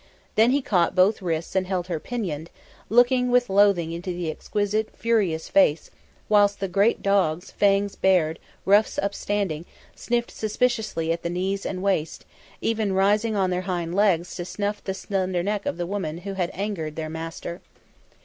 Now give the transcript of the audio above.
Then he caught both wrists and held her pinioned, looking with loathing into the exquisite, furious face, whilst the great dogs, fangs bared, ruffs upstanding, sniffed suspiciously at the knees and waist, even rising on their hind legs to snuff the slender neck of this woman who had angered their master.